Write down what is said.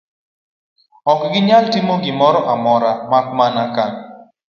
Ok ginyal timo gimoro amora mak mana ka